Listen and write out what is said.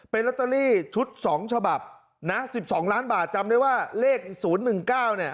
เป็นล็อตเตอรี่ชุดสองฉบับนะสิบสองล้านบาทจำได้ว่าเลขศูนย์หนึ่งเก้าเนี่ย